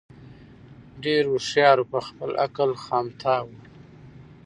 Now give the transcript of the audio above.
ډېر هوښیار وو په خپل عقل خامتماوو